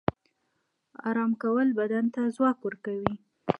آرام کول بدن ته ځواک ورکوي